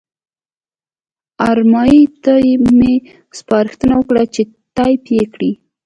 ارمایي ته مې سپارښتنه وکړه چې ټایپ یې کړي.